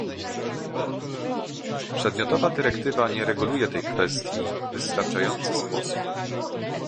Przedmiotowa dyrektywa nie reguluje tej kwestii w wystarczający sposób